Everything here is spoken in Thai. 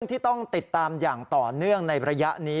ที่ต้องติดตามอย่างต่อเนื่องในระยะนี้